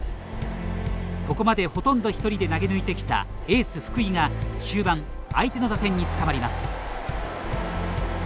ここまで、ほとんど１人で投げ抜いてきたエース福井が終盤、相手の打線に捕まります。